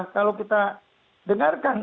kalau kita dengarkan